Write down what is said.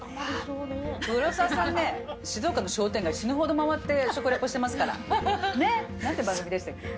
黒沢さんね、静岡の商店街、死ぬほど回って食リポしてますから。ね。なんていう番組でしたっけ？